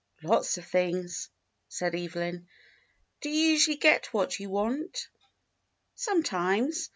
^" "Lots of things," said Evelyn. "Do you usually get what you want.^" "Sometimes.